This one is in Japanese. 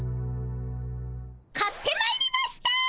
買ってまいりました！